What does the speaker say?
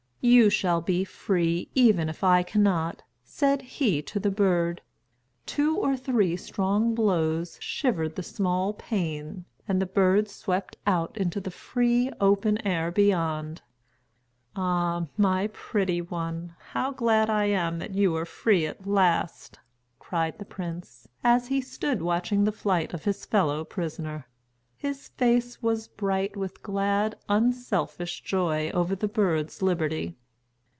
"You shall be free, even if I cannot," said he to the bird. Two or three strong blows shivered the small pane and the bird swept out into the free open air beyond. "Ah, my pretty one, how glad I am that you are free at last," cried the prince, as he stood watching the flight of his fellow prisoner. His face was bright with glad, unselfish joy over the bird's liberty.